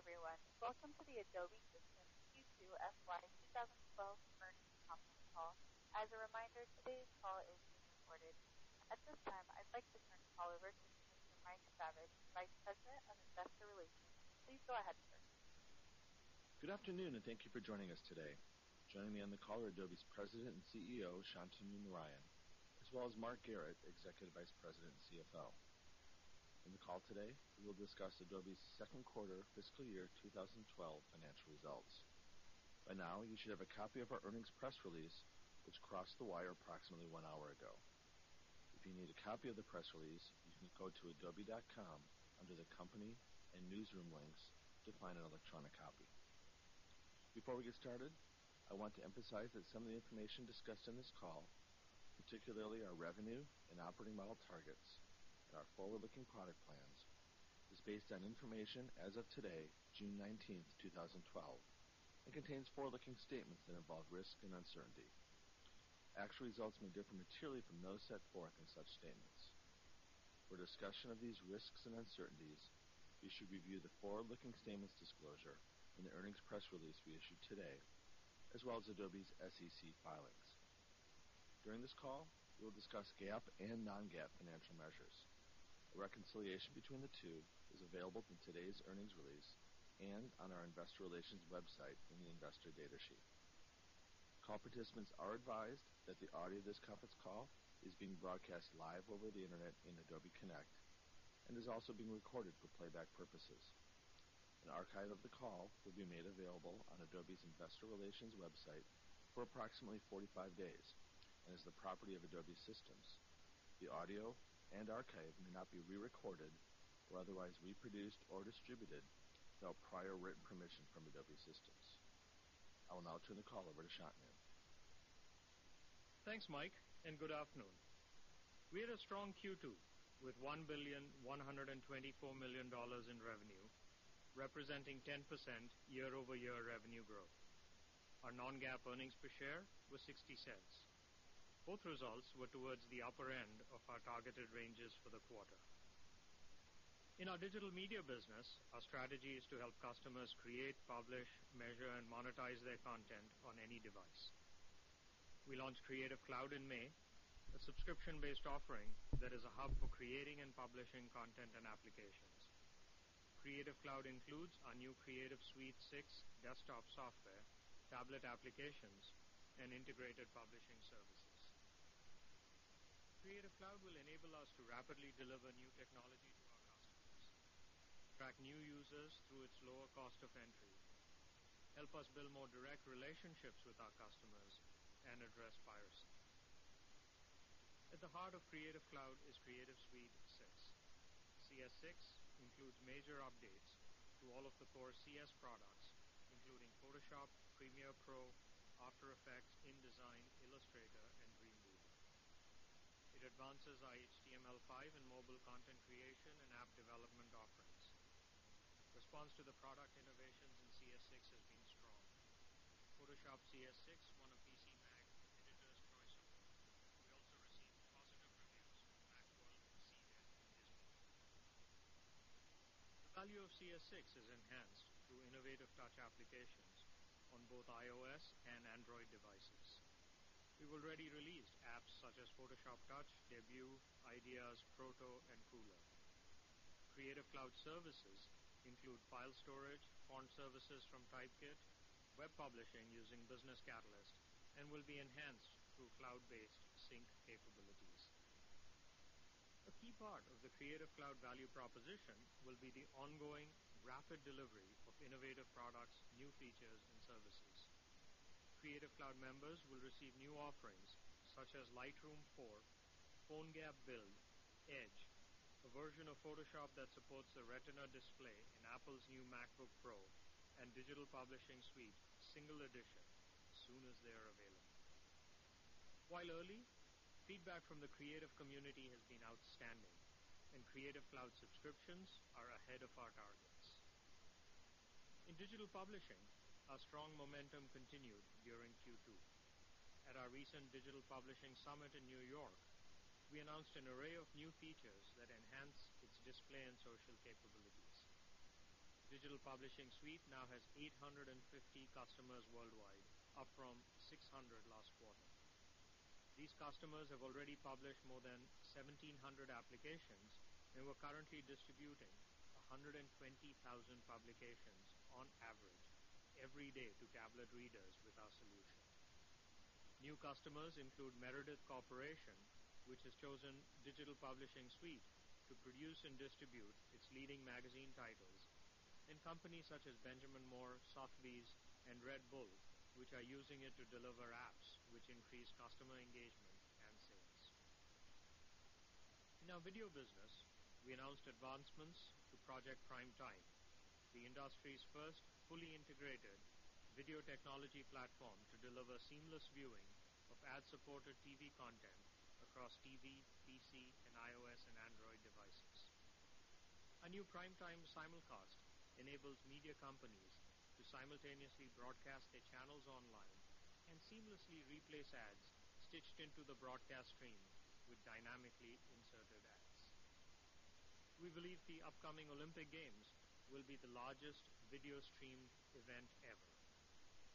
Good day, everyone. Welcome to the Adobe Systems Q2 FY 2012 Earnings Conference Call. As a reminder, today's call is being recorded. At this time, I'd like to turn the call over to Mr. Mike Saviage, Vice President of Investor Relations. Please go ahead, sir. Good afternoon. Thank you for joining us today. Joining me on the call are Adobe's President and CEO, Shantanu Narayen, as well as Mark Garrett, Executive Vice President and CFO. In the call today, we will discuss Adobe's second quarter fiscal year 2012 financial results. By now, you should have a copy of our earnings press release, which crossed the wire approximately one hour ago. If you need a copy of the press release, you can go to adobe.com under the Company and Newsroom links to find an electronic copy. Before we get started, I want to emphasize that some of the information discussed on this call, particularly our revenue and operating model targets and our forward-looking product plans, is based on information as of today, June 19th 2012, and contains forward-looking statements that involve risk and uncertainty. Actual results may differ materially from those set forth in such statements. For a discussion of these risks and uncertainties, you should review the forward-looking statements disclosure in the earnings press release we issued today, as well as Adobe's SEC filings. During this call, we will discuss GAAP and non-GAAP financial measures. A reconciliation between the two is available in today's earnings release and on our investor relations website in the investor data sheet. Call participants are advised that the audio of this conference call is being broadcast live over the internet in Adobe Connect and is also being recorded for playback purposes. An archive of the call will be made available on Adobe's investor relations website for approximately 45 days and is the property of Adobe Systems. The audio and archive may not be re-recorded or otherwise reproduced or distributed without prior written permission from Adobe Systems. I will now turn the call over to Shantanu. Thanks, Mike, and good afternoon. We had a strong Q2 with $1,124,000,000 in revenue, representing 10% year-over-year revenue growth. Our non-GAAP earnings per share were $0.60. Both results were towards the upper end of our targeted ranges for the quarter. In our digital media business, our strategy is to help customers create, publish, measure, and monetize their content on any device. We launched Creative Cloud in May, a subscription-based offering that is a hub for creating and publishing content and applications. Creative Cloud includes our new Creative Suite 6 desktop software, tablet applications, and integrated publishing services. Creative Cloud will enable us to rapidly deliver new technology to our customers, attract new users through its lower cost of entry, help us build more direct relationships with our customers, and address piracy. At the heart of Creative Cloud is Creative Suite 6. CS6 includes major updates to all of the core CS products, including Photoshop, Premiere Pro, After Effects, InDesign, Illustrator, and Dreamweaver. It advances our HTML5 and mobile content creation and app development offerings. Response to the product innovations in CS6 has been strong. Photoshop CS6 won a PCMag Editor's Choice Award. We have already released apps such as Photoshop Touch, Debut, Ideas, Proto, and Kuler. Creative Cloud services include file storage, font services from Typekit, web publishing using Business Catalyst, and will be enhanced through cloud-based sync capabilities. A key part of the Creative Cloud value proposition will be the ongoing rapid delivery of innovative products, new features, and services. Creative Cloud members will receive new offerings such as Lightroom 4, PhoneGap Build, Edge, a version of Photoshop that supports the Retina display in Apple's new MacBook Pro, and Digital Publishing Suite Single Edition as soon as they are available. While early, feedback from the creative community has been outstanding, and Creative Cloud subscriptions are ahead of our targets. In digital publishing, our strong momentum continued during Q2. At our recent Digital Publishing Summit in New York, we announced an array of new features that enhance its display and social capabilities. Digital Publishing Suite now has 850 customers worldwide, up from 600 last quarter. These customers have already published more than 1,700 applications, and we are currently distributing 120,000 publications on average every day to tablet readers with our solution. New customers include Meredith Corporation, which has chosen Digital Publishing Suite to produce and distribute its leading magazine titles, and companies such as Benjamin Moore, Sotheby's, and Red Bull, which are using it to deliver apps which increase customer engagement and sales. In our video business, we announced advancements to Project Primetime, the industry's first fully integrated video technology platform to deliver seamless viewing of ad-supported TV content across TV, PC, and iOS and Android devices. Our new Primetime Simulcast enables media companies simultaneously broadcast their channels online and seamlessly replace ads stitched into the broadcast stream with dynamically inserted ads. We believe the upcoming Olympic Games will be the largest video streamed event ever.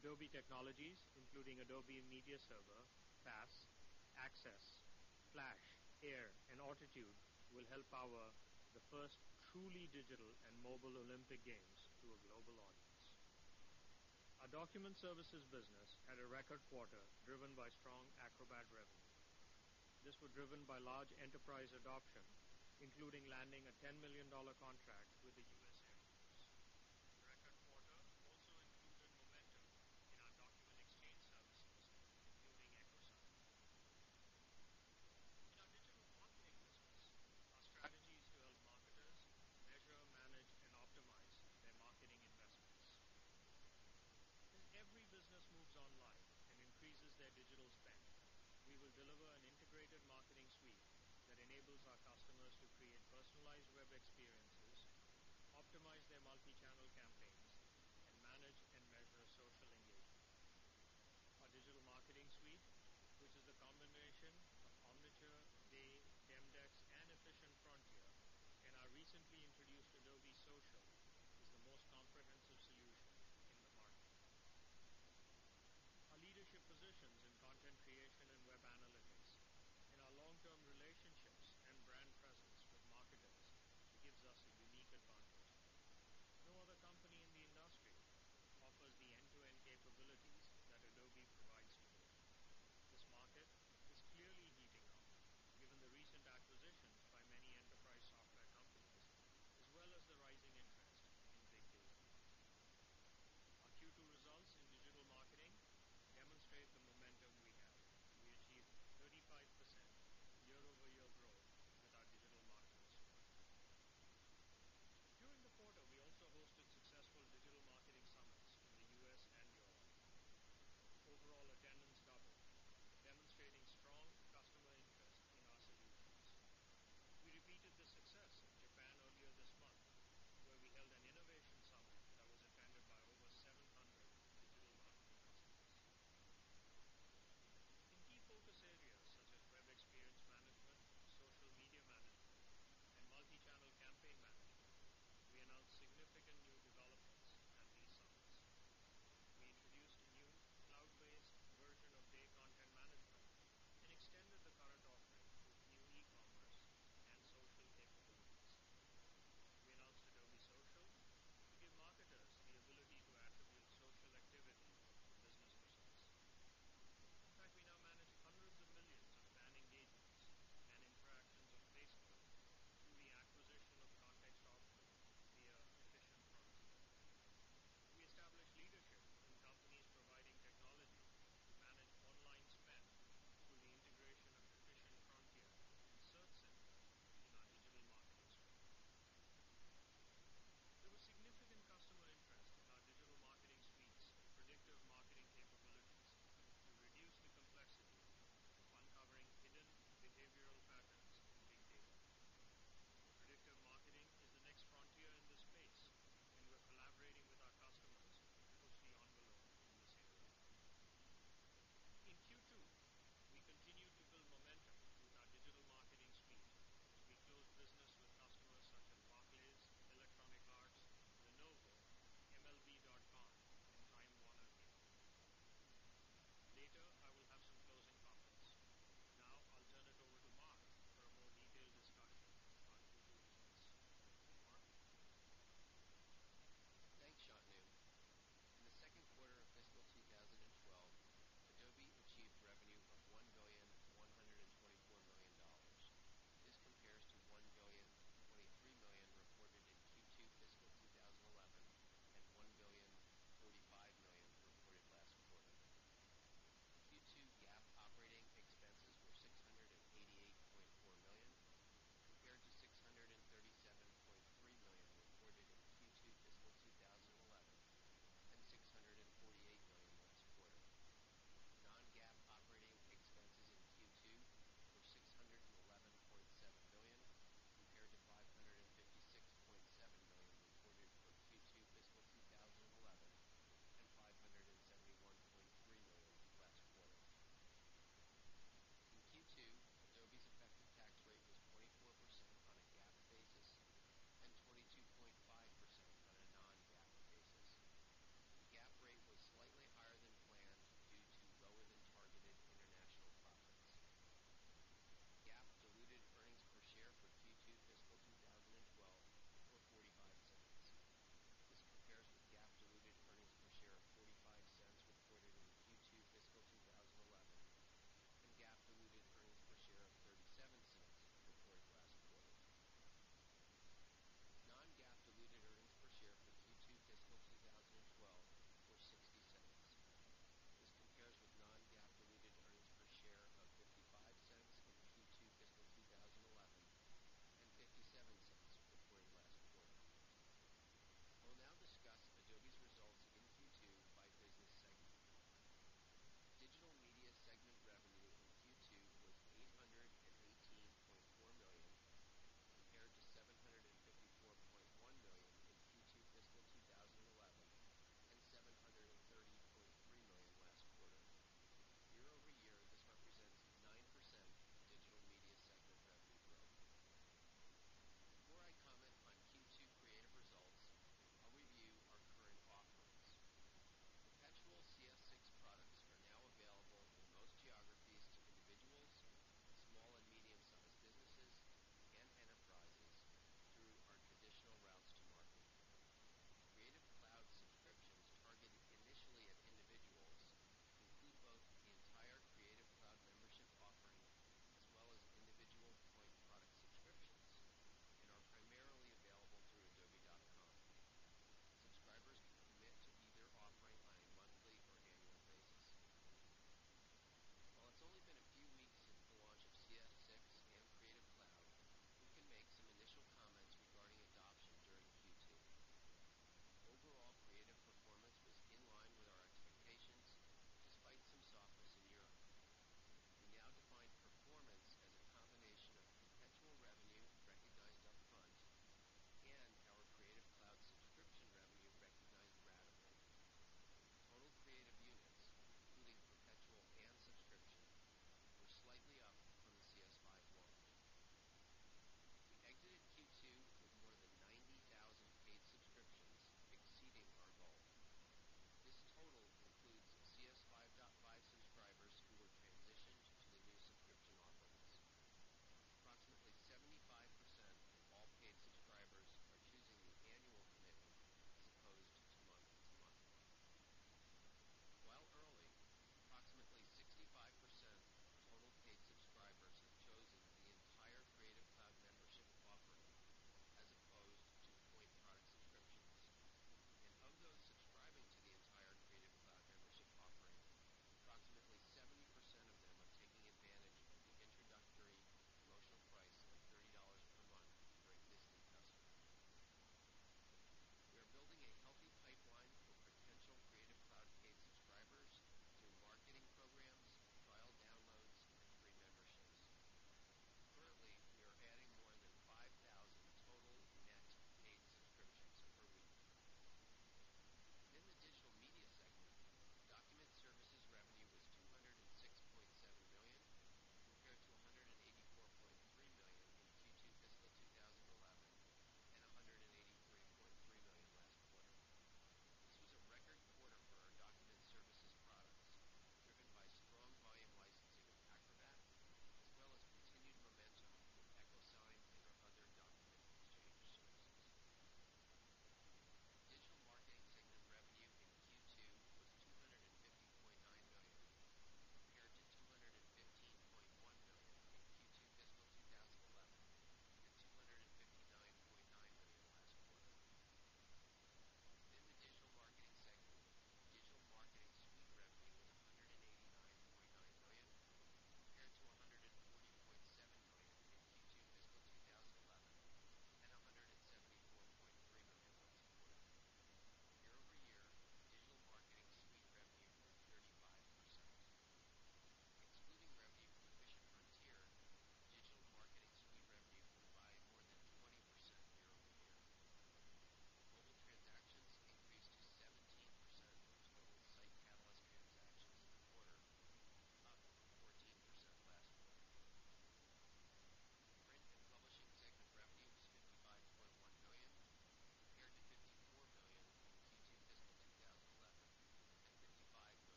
Adobe technologies, including Adobe Media Server, Adobe Pass, Adobe Access, Adobe Flash, Adobe AIR, and Auditude will help power the first truly digital and mobile Olympic Games to a global audience. Our document services business had a record quarter driven by strong Acrobat revenue. This was driven by large enterprise adoption, including landing a $10 million contract with the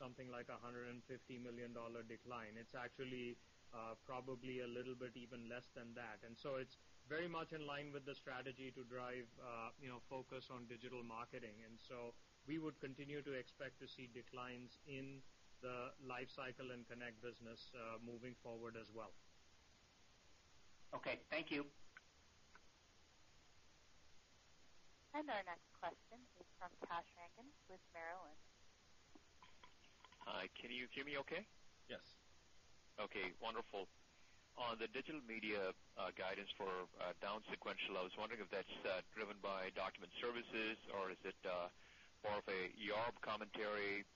something like a $150 million decline. It's actually probably a little bit even less than that. It's very much in line with the strategy to drive focus on digital marketing. We would continue to expect to see declines in the LiveCycle and Adobe Connect business, moving forward as well. Okay. Thank you. Our next question is from Kash Rangan with Merrill Lynch. Hi. Can you hear me okay? Yes. Okay. Wonderful. On the digital media guidance for down sequential, I was wondering if that's driven by document services or is it more of an FX commentary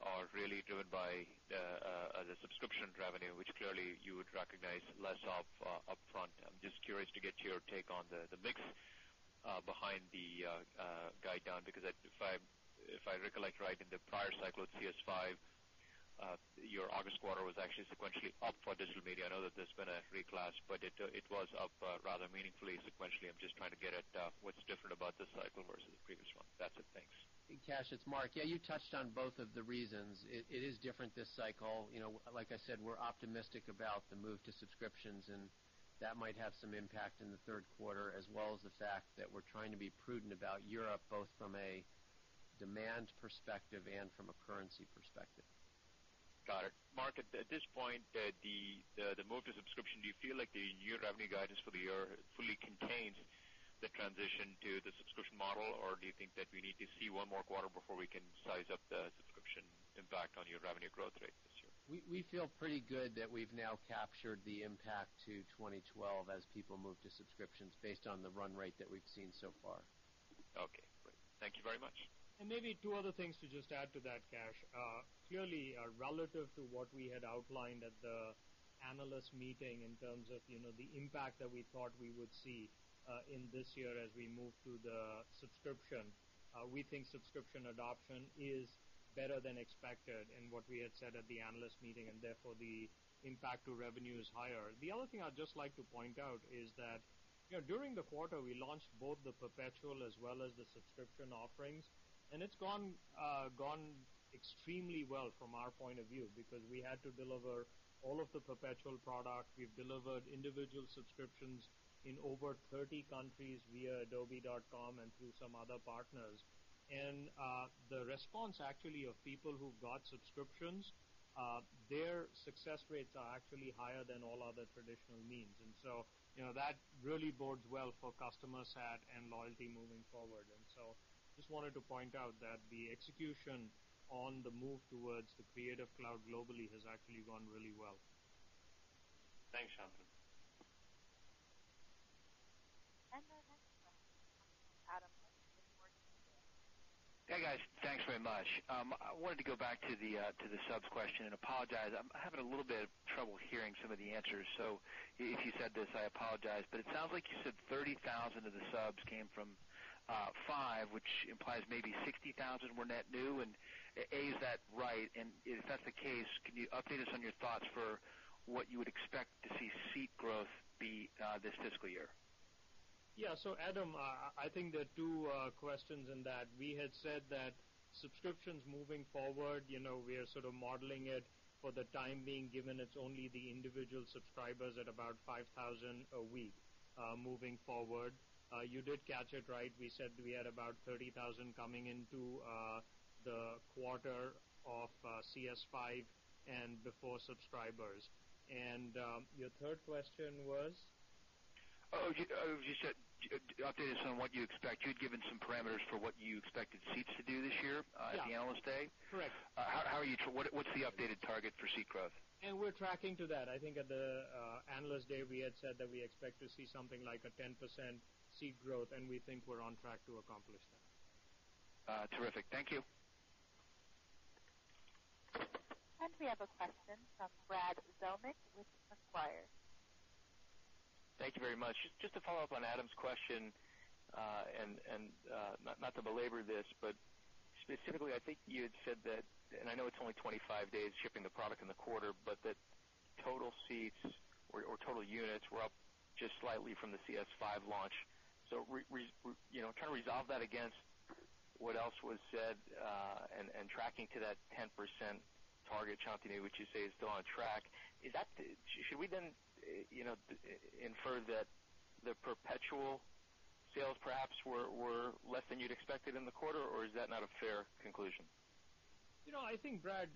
or really driven by the subscription revenue, which clearly you would recognize less of upfront. I'm just curious to get your take on the mix behind the guide down, because if I recollect right in the prior cycle at CS5, your August quarter was actually sequentially up for digital media. I know that there's been a reclass, but it was up rather meaningfully sequentially. I'm just trying to get at what's different about this cycle versus the previous one. That's it. Thanks. Hey, Kash, it's Mark. Yeah, you touched on both of the reasons. It is different this cycle. Like I said, we're optimistic about the move to subscriptions, and that might have some impact in the third quarter, as well as the fact that we're trying to be prudent about Europe, both from a demand perspective and from a currency perspective. Got it. Mark, at this point, the move to subscription, do you feel like the year revenue guidance for the year fully contains the transition to the subscription model, or do you think that we need to see one more quarter before we can size up the subscription impact on your revenue growth rate this year? We feel pretty good that we've now captured the impact to 2012 as people move to subscriptions based on the run rate that we've seen so far. Okay, great. Thank you very much. Maybe two other things to just add to that, Kash. Clearly, relative to what we had outlined at the analyst meeting in terms of the impact that we thought we would see in this year as we move to the subscription, we think subscription adoption is better than expected in what we had said at the analyst meeting, and therefore, the impact to revenue is higher. The other thing I'd just like to point out is that during the quarter, we launched both the perpetual as well as the subscription offerings, and it's gone extremely well from our point of view because we had to deliver all of the perpetual product. We've delivered individual subscriptions in over 30 countries via adobe.com and through some other partners. The response actually of people who've got subscriptions, their success rates are actually higher than all other traditional means. That really bodes well for customer sat and loyalty moving forward. Just wanted to point out that the execution on the move towards the Creative Cloud globally has actually gone really well. Thanks, Shantanu. Our next question comes from Adam Holt with Morgan Stanley. Hey, guys. Thanks very much. I wanted to go back to the subs question and apologize. I'm having a little bit of trouble hearing some of the answers. If you said this, I apologize, but it sounds like you said 30,000 of the subs came from CS5, which implies maybe 60,000 were net new. A, is that right? If that's the case, can you update us on your thoughts for what you would expect to see seat growth be this fiscal year? Yeah. Adam, I think there are two questions in that. We had said that subscriptions moving forward, we are sort of modeling it for the time being, given it's only the individual subscribers at about 5,000 a week moving forward. You did catch it right. We said we had about 30,000 coming into the quarter of CS5 and before subscribers. Your third question was? Oh, just update us on what you expect. You had given some parameters for what you expected seats to do this year. Yeah. at the Analyst Day. Correct. What's the updated target for seat growth? We're tracking to that. I think at the Analyst Day, we had said that we expect to see something like a 10% seat growth, and we think we're on track to accomplish that. Terrific. Thank you. We have a question from Brad Zelnick with Macquarie. Thank you very much. Just to follow up on Adam's question, not to belabor this, specifically, I think you had said that, I know it's only 25 days shipping the product in the quarter, total seats or total units were up just slightly from the CS5 launch. Trying to resolve that against what else was said and tracking to that 10% target, Shantanu, which you say is still on track. Should we then infer that the perpetual sales perhaps were less than you'd expected in the quarter, or is that not a fair conclusion? I think, Brad,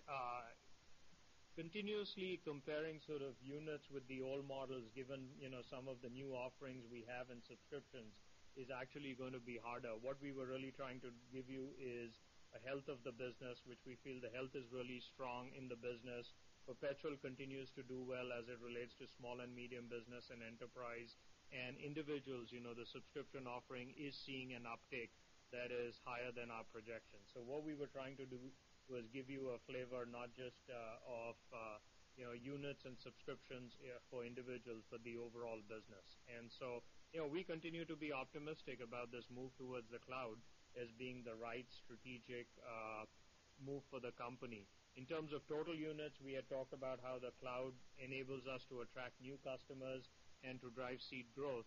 continuously comparing units with the old models, given some of the new offerings we have in subscriptions, is actually going to be harder. What we were really trying to give you is a health of the business, which we feel the health is really strong in the business. Perpetual continues to do well as it relates to small and medium business and enterprise. Individuals, the subscription offering is seeing an uptick that is higher than our projections. What we were trying to do was give you a flavor, not just of units and subscriptions for individuals, but the overall business. We continue to be optimistic about this move towards the cloud as being the right strategic move for the company. In terms of total units, we had talked about how the cloud enables us to attract new customers and to drive seat growth.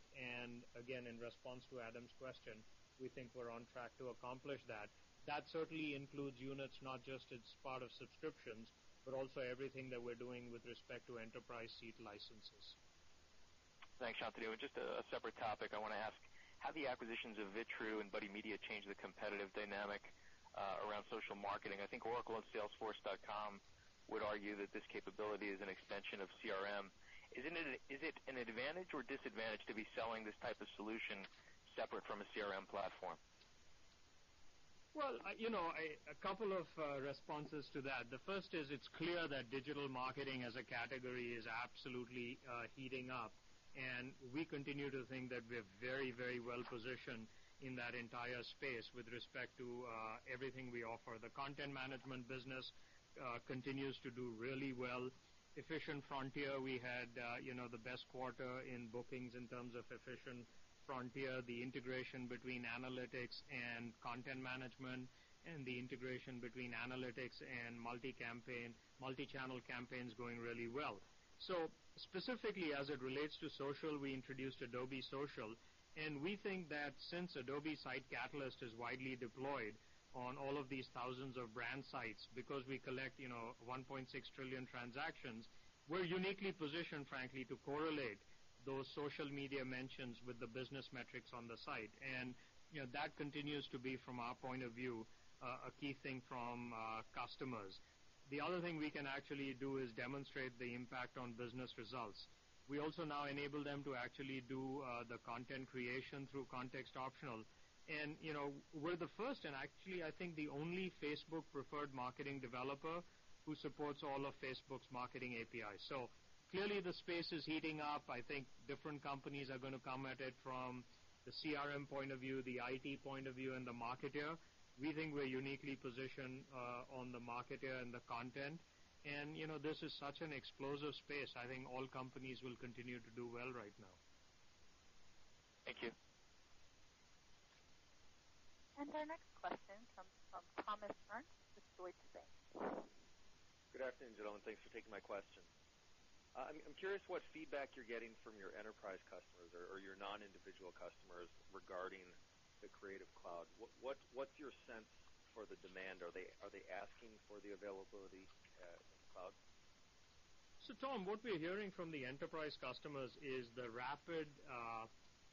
Again, in response to Adam's question, we think we're on track to accomplish that. That certainly includes units, not just as part of subscriptions, but also everything that we're doing with respect to enterprise seat licenses. Thanks, Shantanu. Just a separate topic I want to ask, how the acquisitions of Vitrue and Buddy Media change the competitive dynamic around social marketing. I think Oracle and salesforce.com would argue that this capability is an extension of CRM. Is it an advantage or disadvantage to be selling this type of solution separate from a CRM platform? Well, a couple of responses to that. The first is it's clear that digital marketing as a category is absolutely heating up, and we continue to think that we're very well-positioned in that entire space with respect to everything we offer. The content management business continues to do really well. Efficient Frontier, we had the best quarter in bookings in terms of Efficient Frontier, the integration between analytics and content management, and the integration between analytics and multi-channel campaigns going really well. Specifically, as it relates to social, we introduced Adobe Social, and we think that since Adobe SiteCatalyst is widely deployed on all of these thousands of brand sites, because we collect 1.6 trillion transactions, we're uniquely positioned, frankly, to correlate those social media mentions with the business metrics on the site. That continues to be, from our point of view, a key thing from customers. The other thing we can actually do is demonstrate the impact on business results. We also now enable them to actually do the content creation through Context Optional. We're the first and actually, I think, the only Facebook preferred marketing developer who supports all of Facebook's marketing API. Clearly, the space is heating up. I think different companies are going to come at it from the CRM point of view, the IT point of view, and the marketeer. We think we're uniquely positioned on the marketeer and the content. This is such an explosive space. I think all companies will continue to do well right now. Thank you. Our next question comes from Thomas Ernst with Deutsche Bank. Good afternoon, gentlemen. Thanks for taking my question. I'm curious what feedback you're getting from your enterprise customers or your non-individual customers regarding the Creative Cloud. What's your sense for the demand? Are they asking for the availability in the cloud? Tom, what we're hearing from the enterprise customers is the rapid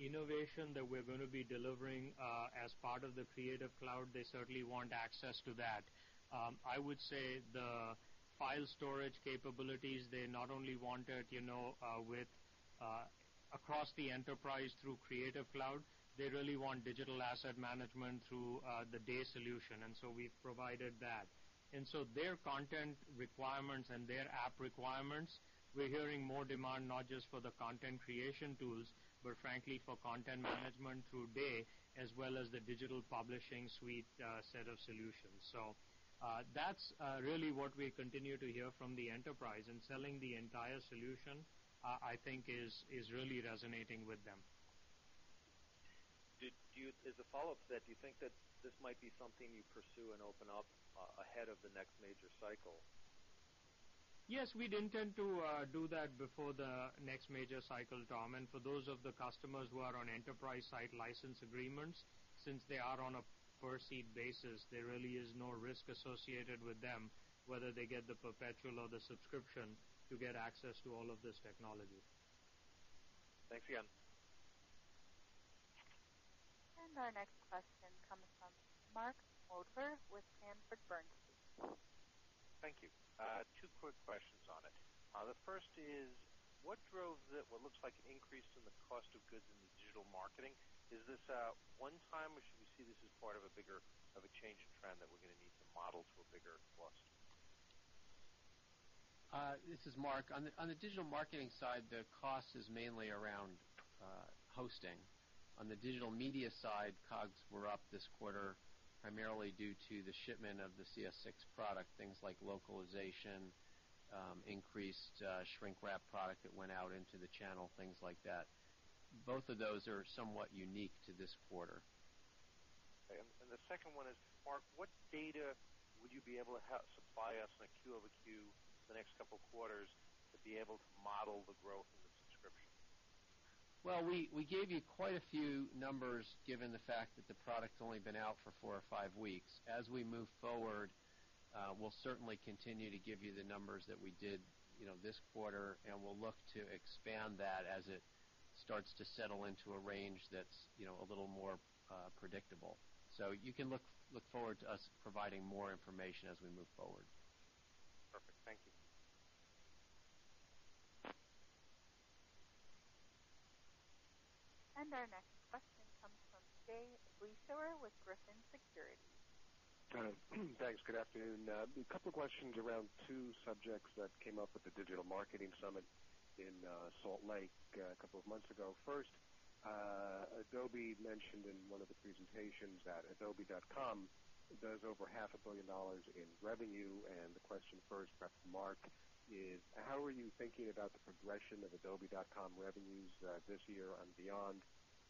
innovation that we're going to be delivering as part of the Creative Cloud, they certainly want access to that. I would say the file storage capabilities, they not only want it across the enterprise through Creative Cloud, they really want digital asset management through the Day solution. We've provided that. Their content requirements and their app requirements, we're hearing more demand, not just for the content creation tools, but frankly, for content management through Day, as well as the Digital Publishing Suite set of solutions. That's really what we continue to hear from the enterprise. Selling the entire solution, I think is really resonating with them. As a follow-up to that, do you think that this might be something you pursue and open up ahead of the next major cycle? Yes, we'd intend to do that before the next major cycle, Tom. For those of the customers who are on enterprise site license agreements, since they are on a per-seat basis, there really is no risk associated with them, whether they get the perpetual or the subscription to get access to all of this technology. Thanks again. Our next question comes from Mark Moerdler with Sanford C. Bernstein. Thank you. Two quick questions on it. The first is: what drove what looks like an increase in the cost of goods in the digital marketing? Is this a one-time, or should we see this as part of a bigger change in trend that we're going to need to model to a bigger cost? This is Mark. On the digital marketing side, the cost is mainly around hosting. On the digital media side, COGS were up this quarter primarily due to the shipment of the CS6 product, things like localization, increased shrink wrap product that went out into the channel, things like that. Both of those are somewhat unique to this quarter. Okay. The second one is, Mark, what data would you be able to supply us on a quarter-over-quarter the next couple of quarters to be able to model the growth in the subscription? We gave you quite a few numbers given the fact that the product's only been out for four or five weeks. As we move forward, we'll certainly continue to give you the numbers that we did this quarter, We'll look to expand that as it starts to settle into a range that's a little more predictable. You can look forward to us providing more information as we move forward. Perfect. Thank you. Our next question comes from Jay Vleeschhouwer with Griffin Securities. Thanks. Good afternoon. A couple questions around two subjects that came up with the Digital Marketing Summit in Salt Lake a couple of months ago. First, Adobe mentioned in one of the presentations that adobe.com does over half a billion dollars in revenue. The question first, perhaps to Mark, is: how are you thinking about the progression of adobe.com revenues this year and beyond,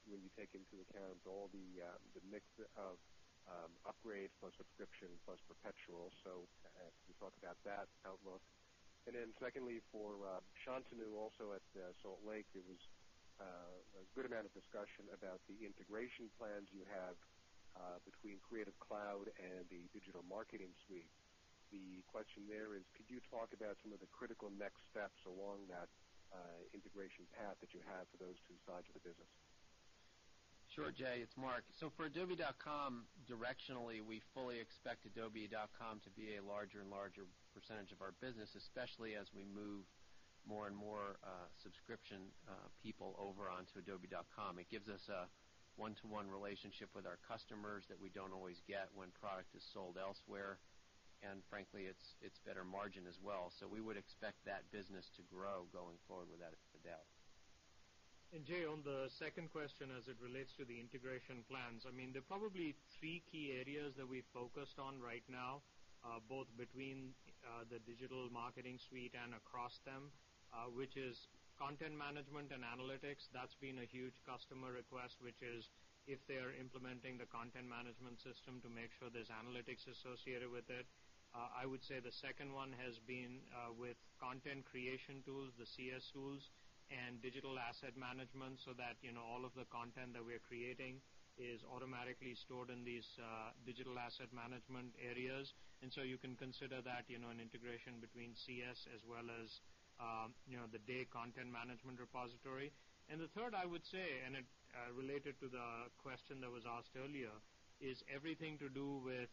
when you take into account all the mix of upgrade, plus subscription, plus perpetual? If you thought about that outlook. Secondly, for Shantanu, also at Salt Lake, there was a good amount of discussion about the integration plans you have between Creative Cloud and the Digital Marketing Suite. The question there is: could you talk about some of the critical next steps along that integration path that you have for those two sides of the business? Sure, Jay. It's Mark. For adobe.com, directionally, we fully expect adobe.com to be a larger and larger percentage of our business, especially as we move more and more subscription people over onto adobe.com. It gives us a one-to-one relationship with our customers that we don't always get when product is sold elsewhere. Frankly, it's better margin as well. We would expect that business to grow going forward without a doubt. Jay, on the second question, as it relates to the integration plans, there are probably three key areas that we focused on right now, both between the Digital Marketing Suite and across them, which is content management and analytics. That's been a huge customer request, which is if they are implementing the content management system, to make sure there's analytics associated with it. I would say the second one has been with content creation tools, the CS tools, and digital asset management, so that all of the content that we're creating is automatically stored in these digital asset management areas. You can consider that an integration between CS as well as the Day Content Management repository. The third, I would say, and it related to the question that was asked earlier, is everything to do with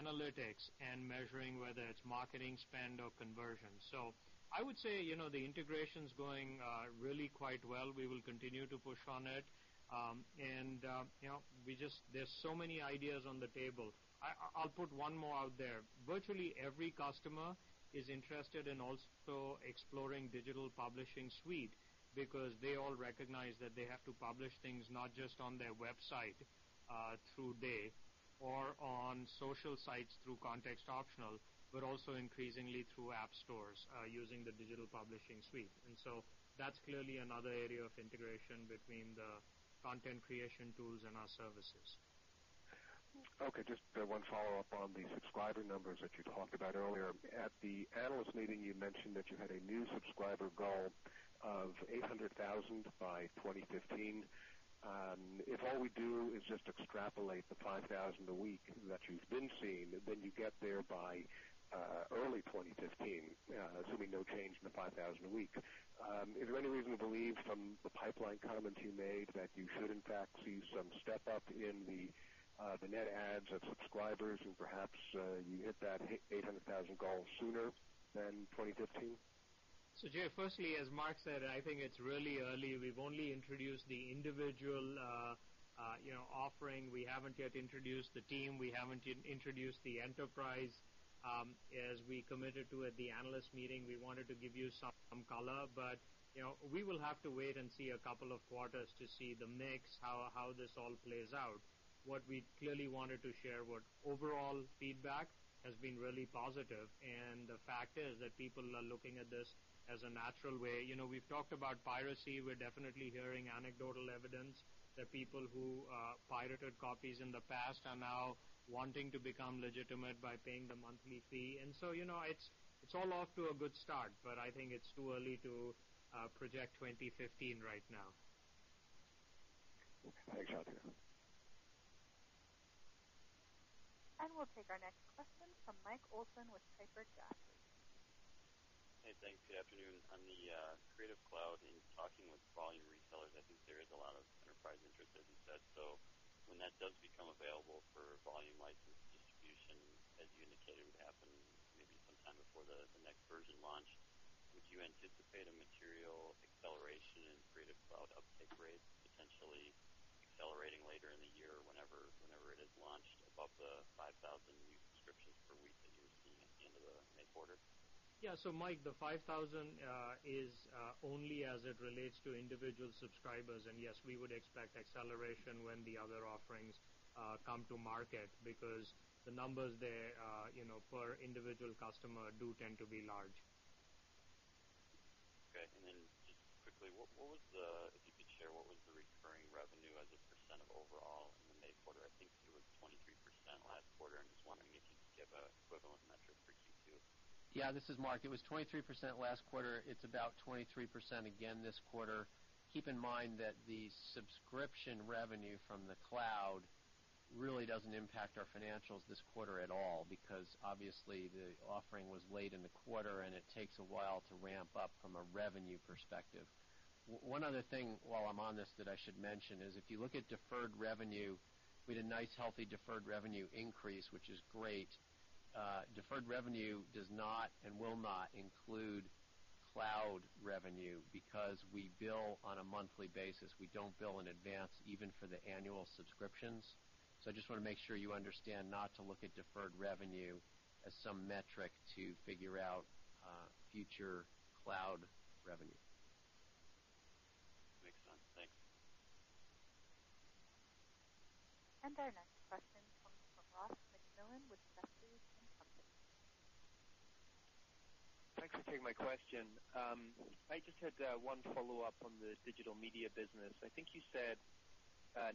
analytics and measuring, whether it's marketing spend or conversion. I would say, the integration's going really quite well. We will continue to push on it. There's so many ideas on the table. I'll put one more out there. Virtually every customer is interested in also exploring Digital Publishing Suite because they all recognize that they have to publish things not just on their website through Day or on social sites through Context Optional, but also increasingly through app stores using the Digital Publishing Suite. That's clearly another area of integration between the content creation tools and our services. Okay. Just one follow-up on the subscriber numbers that you talked about earlier. At the analyst meeting, you mentioned that you had a new subscriber goal of 800,000 by 2015. If all we do is just extrapolate the 5,000 a week that you've been seeing, then you get there by early 2015, assuming no change in the 5,000 a week. Is there any reason to believe from the pipeline comments you made that you should in fact see some step up in the net adds of subscribers and perhaps you hit that 800,000 goal sooner than 2015? Jay, firstly, as Mark said, I think it's really early. We've only introduced the individual offering. We haven't yet introduced the Team, we haven't yet introduced the Enterprise. As we committed to at the analyst meeting, we wanted to give you some color, but we will have to wait and see a couple of quarters to see the mix, how this all plays out. What we clearly wanted to share was overall feedback has been really positive, the fact is that people are looking at this as a natural way. We've talked about piracy. We're definitely hearing anecdotal evidence that people who pirated copies in the past are now wanting to become legitimate by paying the monthly fee. It's all off to a good start, but I think it's too early to project 2015 right now. Okay. Thanks. Out here. We'll take our next question from Mike Olson with Piper Jaffray. Hey, thanks. Good afternoon. On the Creative Cloud and talking with volume retailers, I think there is a lot of enterprise interest, as you said. When that does become available for volume license distribution, as you indicated would happen maybe sometime before the next version launch, would you anticipate a material acceleration in Creative Cloud uptake rates potentially accelerating later in the year, whenever it is launched above the 5,000 new subscriptions per week that you were seeing at the end of the May quarter? Yeah. Mike, the 5,000 is only as it relates to individual subscribers. Yes, we would expect acceleration when the other offerings come to market because the numbers there per individual customer do tend to be large. Okay. Then just quickly, if you could share, what was the, if you could share, what was the recurring revenue as a percent of overall in the May quarter? I think it was 23% last quarter. I'm just wondering if you can just give an equivalent metric for Q2. Yeah, this is Mark. It was 23% last quarter. It's about 23% again this quarter. Keep in mind that the subscription revenue from the cloud really doesn't impact our financials this quarter at all, because obviously the offering was late in the quarter, and it takes a while to ramp up from a revenue perspective. One other thing while I'm on this that I should mention is if you look at deferred revenue, we had a nice healthy deferred revenue increase, which is great. Deferred revenue does not and will not include cloud revenue because we bill on a monthly basis. We don't bill in advance even for the annual subscriptions. I just want to make sure you understand not to look at deferred revenue as some metric to figure out future cloud revenue. Makes sense. Thank you. Our next question comes from Ross MacMillan with Jefferies & Company. Thanks for taking my question. I just had one follow-up on the digital media business. I think you said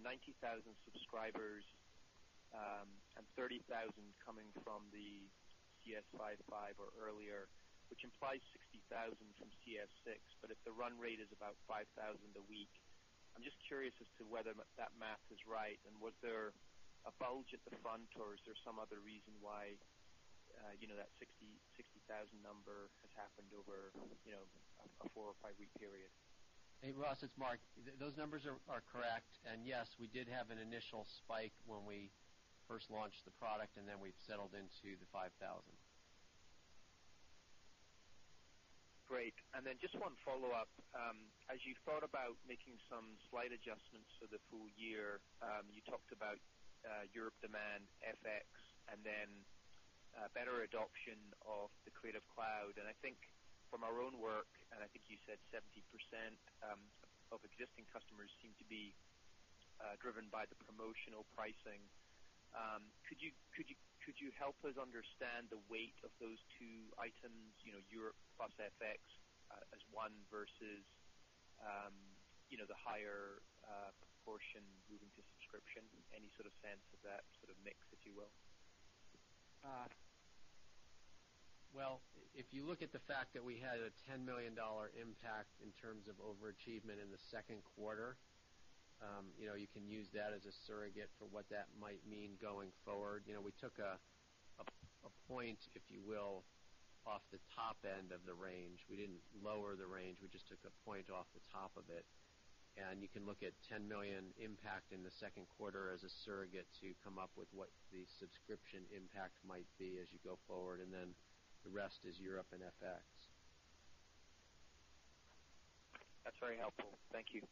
90,000 subscribers. 30,000 coming from the CS5.5 or earlier, which implies 60,000 from CS6. If the run rate is about 5,000 a week, I'm just curious as to whether that math is right. Was there a bulge at the front or is there some other reason why that 60,000 number has happened over a four or five-week period? Hey, Ross, it's Mark. Those numbers are correct. Yes, we did have an initial spike when we first launched the product. Then we've settled into the 5,000. Great. Just one follow-up. As you thought about making some slight adjustments for the full year, you talked about Europe demand, FX, then better adoption of the Creative Cloud. I think from our own work, I think you said 70% of existing customers seem to be driven by the promotional pricing. Could you help us understand the weight of those two items, Europe plus FX as one versus the higher proportion moving to subscription? Any sort of sense of that sort of mix, if you will? Well, if you look at the fact that we had a $10 million impact in terms of overachievement in the second quarter, you can use that as a surrogate for what that might mean going forward. We took a point, if you will, off the top end of the range. We didn't lower the range, we just took a point off the top of it. You can look at $10 million impact in the second quarter as a surrogate to come up with what the subscription impact might be as you go forward. Then the rest is Europe and FX. That's very helpful. Thank you.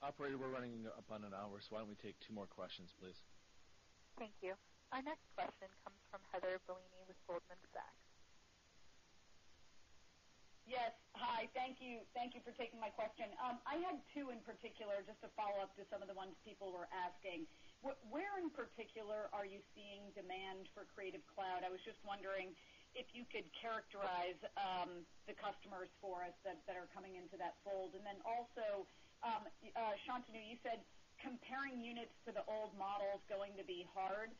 Operator, we're running up on an hour, so why don't we take two more questions, please. Thank you. Our next question comes from Heather Bellini with Goldman Sachs. Yes. Hi, thank you for taking my question. I had two in particular, just to follow up to some of the ones people were asking. Where in particular are you seeing demand for Creative Cloud? I was just wondering if you could characterize the customers for us that are coming into that fold. Then also, Shantanu, you said comparing units to the old model is going to be hard.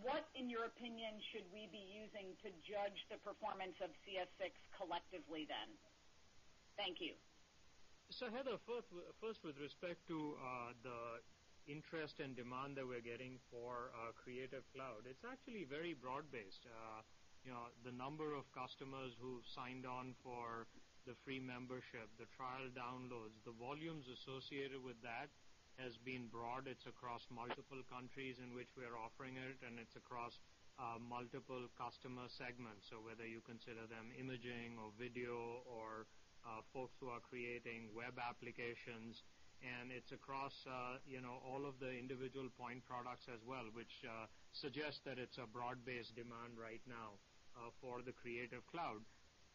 What, in your opinion, should we be using to judge the performance of CS6 collectively then? Thank you. Heather, first with respect to the interest and demand that we're getting for Creative Cloud, it's actually very broad-based. The number of customers who've signed on for the free membership, the trial downloads, the volumes associated with that has been broad. It's across multiple countries in which we're offering it, and it's across multiple customer segments. Whether you consider them imaging or video, or folks who are creating web applications, and it's across all of the individual point products as well, which suggests that it's a broad-based demand right now for the Creative Cloud.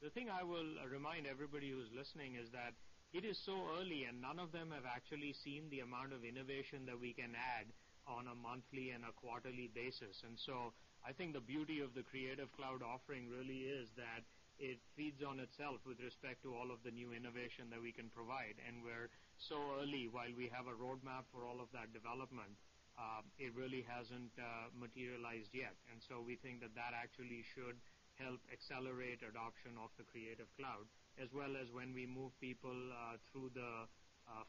The thing I will remind everybody who's listening is that it is so early, and none of them have actually seen the amount of innovation that we can add on a monthly and a quarterly basis. I think the beauty of the Creative Cloud offering really is that it feeds on itself with respect to all of the new innovation that we can provide. We're so early, while we have a roadmap for all of that development, it really hasn't materialized yet. We think that that actually should help accelerate adoption of the Creative Cloud, as well as when we move people through the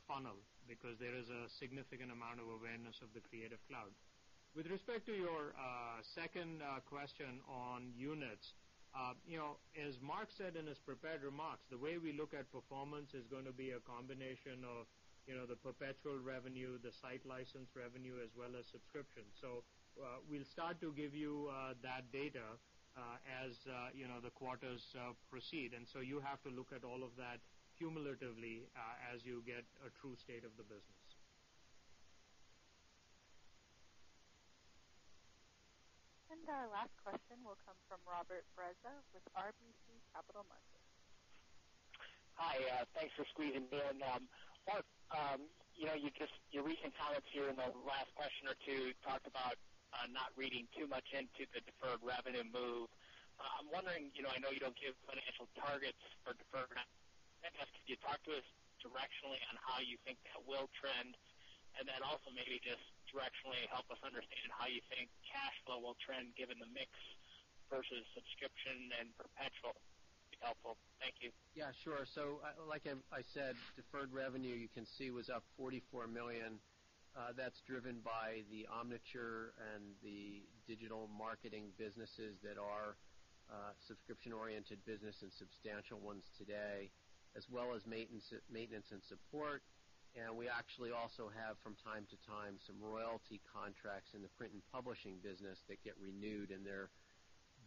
funnel, because there is a significant amount of awareness of the Creative Cloud. With respect to your second question on units. As Mark said in his prepared remarks, the way we look at performance is going to be a combination of the perpetual revenue, the site license revenue, as well as subscription. We'll start to give you that data as the quarters proceed. You have to look at all of that cumulatively as you get a true state of the business. Our last question will come from Robert Frezza with RBC Capital Markets. Hi. Thanks for squeezing me in. Mark, your recent comments here in the last question or two talked about not reading too much into the deferred revenue move. I'm wondering, I know you don't give financial targets for deferred revenue. Can you talk to us directionally on how you think that will trend, and then also maybe just directionally help us understand how you think cash flow will trend given the mix versus subscription and perpetual? That'd be helpful. Thank you. Yeah, sure. Like I said, deferred revenue, you can see was up $44 million. That's driven by the Omniture and the digital marketing businesses that are subscription-oriented business and substantial ones today, as well as maintenance and support. We actually also have, from time to time, some royalty contracts in the print and publishing business that get renewed, and they're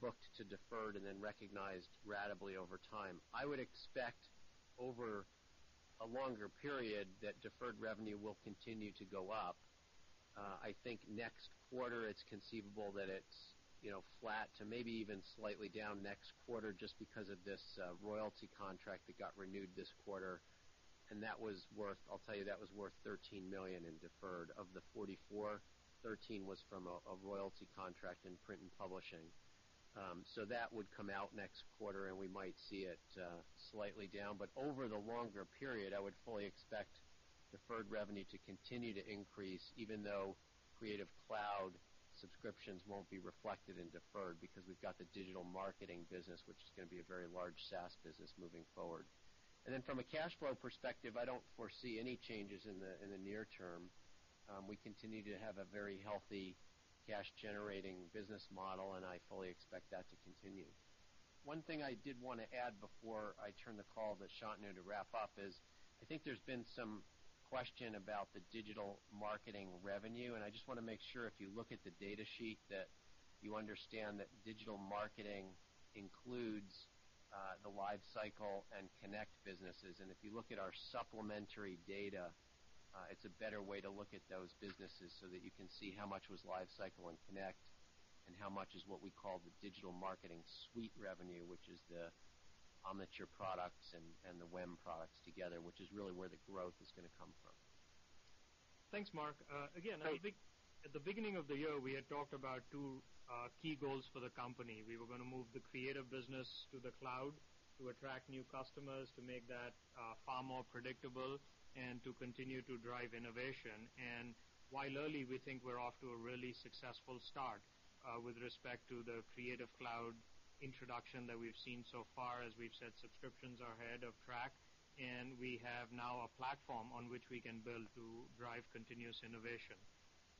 booked to deferred and then recognized ratably over time. I would expect over a longer period that deferred revenue will continue to go up. I think next quarter it's conceivable that it's flat to maybe even slightly down next quarter just because of this royalty contract that got renewed this quarter, and I'll tell you, that was worth $13 million in deferred. Of the $44 million, $13 million was from a royalty contract in print and publishing. That would come out next quarter, and we might see it slightly down. Over the longer period, I would fully expect deferred revenue to continue to increase, even though Creative Cloud subscriptions won't be reflected in deferred because we've got the digital marketing business, which is going to be a very large SaaS business moving forward. From a cash flow perspective, I don't foresee any changes in the near term. We continue to have a very healthy cash-generating business model, and I fully expect that to continue. One thing I did want to add before I turn the call to Shantanu to wrap up is, I think there's been some question about the digital marketing revenue, and I just want to make sure if you look at the data sheet that you understand that digital marketing includes the LiveCycle and Connect businesses. If you look at our supplementary data, it's a better way to look at those businesses so that you can see how much was LiveCycle and Connect, and how much is what we call the Digital Marketing Suite revenue, which is the Omniture products and the WEM products together, which is really where the growth is going to come from. Thanks, Mark. I think at the beginning of the year, we had talked about two key goals for the company. We were going to move the creative business to the Creative Cloud to attract new customers to make that far more predictable and to continue to drive innovation. While early, we think we're off to a really successful start with respect to the Creative Cloud introduction that we've seen so far. As we've said, subscriptions are ahead of track, and we have now a platform on which we can build to drive continuous innovation.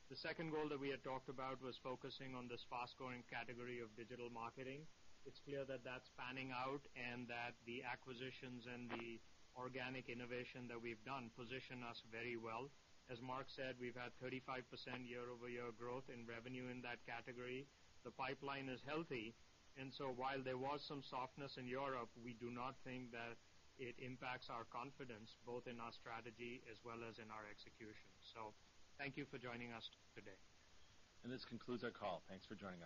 The second goal that we had talked about was focusing on this fast-growing category of digital marketing. It's clear that that's panning out and that the acquisitions and the organic innovation that we've done position us very well. As Mark said, we've had 35% year-over-year growth in revenue in that category. The pipeline is healthy, while there was some softness in Europe, we do not think that it impacts our confidence both in our strategy as well as in our execution. Thank you for joining us today. This concludes our call. Thanks for joining.